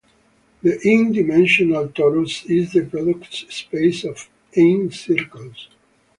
The "n"-dimensional torus is the product space of "n" circles.